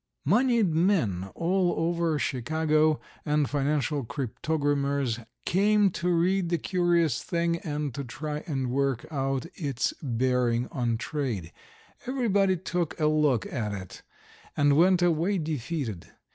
Moneyed men all over Chicago and financial cryptogrammers came to read the curious thing and to try and work out its bearing on trade. Everybody took a look at it and went away defeated.